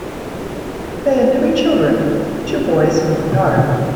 They had three children, two boys and one daughter.